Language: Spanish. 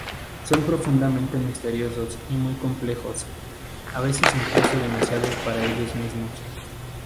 Son profundamente misteriosos y muy complejos, a veces incluso demasiado para ellos mismos.